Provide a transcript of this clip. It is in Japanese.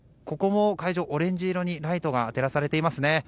ここもオレンジ色にライトが照らされていますね。